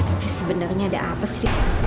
tapi sebenernya ada apa sih